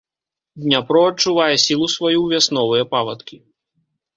Дняпро адчувае сілу сваю ў вясновыя павадкі.